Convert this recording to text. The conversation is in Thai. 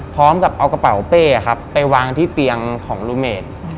พร้อมกับเอากระเป๋าเป้ครับไปวางที่เตียงของลูเมน